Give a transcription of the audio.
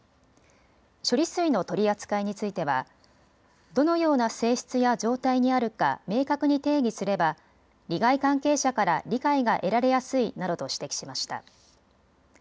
処理水の取り扱いについてはどのような性質や状態にあるか明確に定義すれば利害関係者から理解が得られやすいなどと指摘しました。